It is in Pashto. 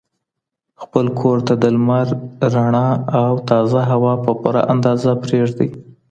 خپل کور ته د لمر رڼا او تازه هوا په پوره اندازه پرېږدئ.